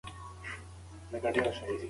د انټرنیټ ملاتړ د معلوماتو خنډونه لرې کوي.